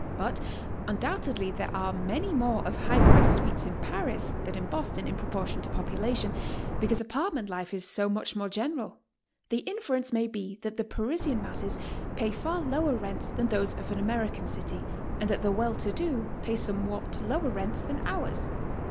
But undoubtedly there are many more of high priced suites in Paris than in Boston in proportion to population, becau'se apartment life is so much more general. The inference may be that the Parisian masses pay far lower rents than those of an Ameri can city, and that the well to do pay somewhat lower rents than ours.